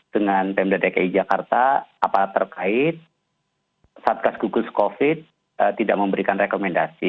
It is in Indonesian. dengan pemda dki jakarta apalagi terkait satkas kukus covid tidak memberikan rekomendasi